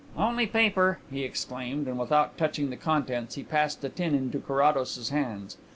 "Only paper!" he exclaimed, and without touching the contents he passed the tin into Carrados's hands.